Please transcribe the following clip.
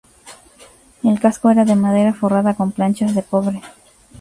El casco era de madera forrada con planchas de cobre.